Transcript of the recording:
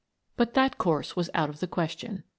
But that course was out of the question.